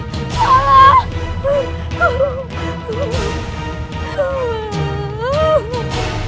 kenapa mau nabrak aku